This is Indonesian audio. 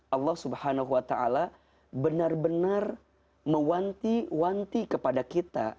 allah swt benar benar mewanti wanti kepada kita